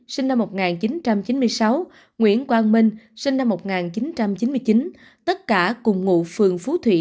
sinh năm một nghìn chín trăm chín mươi sáu nguyễn quang minh sinh năm một nghìn chín trăm chín mươi chín tất cả cùng ngụ phường phú thủy